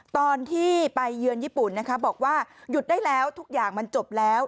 ตอนที่ไปเยือนญี่ปุ่นนะคะบอกว่าหยุดได้แล้วทุกอย่างมันจบแล้ว